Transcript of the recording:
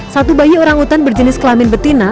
satu bayi orangutan berjenis kelamin betina